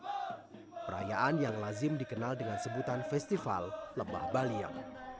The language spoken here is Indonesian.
pembelajaran yang terakhir dikenal dengan sebutan festival lebah baliem